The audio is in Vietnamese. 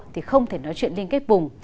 thì không thể nói chuyện liên kết vùng